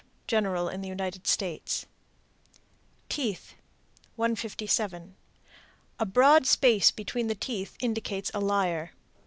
General in the United States. TEETH. 157. A broad space between the teeth indicates a liar.